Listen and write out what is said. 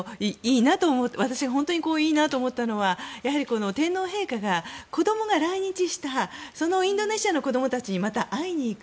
私、本当にいいなと思ったのはやはり、天皇陛下が子どもが来日したそのインドネシアの子どもたちにまた会いに行く。